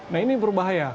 nah ini berbahaya